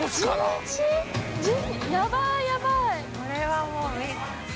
これはもう。